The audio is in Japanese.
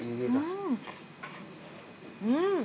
うん。